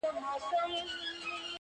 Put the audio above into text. • کښته راغی ورته کښېنستی پر مځکه,